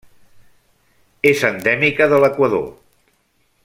És endèmica de l'Equador.